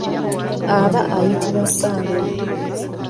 Aba ayitibwa Ssaalongo.